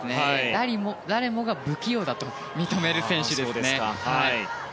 誰もが不器用だと認める選手です。